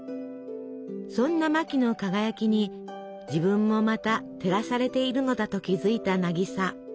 そんなマキの輝きに自分もまた照らされているのだと気付いた渚。